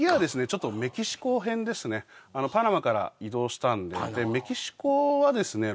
ちょっとメキシコ編ですねパナマから移動したんででメキシコはですね